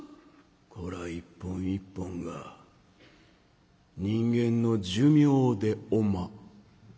「こらぁ一本一本が人間の寿命でおま」。